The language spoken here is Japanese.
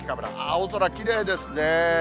青空きれいですね。